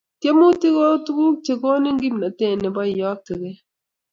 Tiemutik kotukuk che konin kimnatet ne bo iyoktekei